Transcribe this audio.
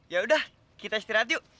yaudah kita istirahat yuk